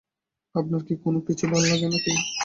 আপনার কি কোনো কিছুই ভালো লাগে না নাকি?